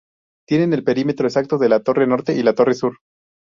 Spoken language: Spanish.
Tienen el perímetro exacto de la torre norte y la torre sur.